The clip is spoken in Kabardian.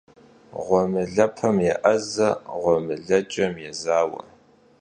Ğuemılepem yê'eze, ğuemıleç'em yêzaue.